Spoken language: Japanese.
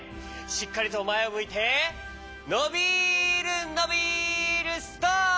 しっかりとまえをむいてのびるのびるストップ！